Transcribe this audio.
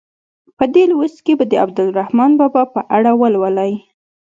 په دې لوست کې به د عبدالرحمان بابا په اړه ولولئ.